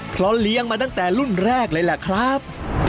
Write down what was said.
เพราะเลี้ยงมาตั้งแต่รุ่นแรกเลยแหละครับ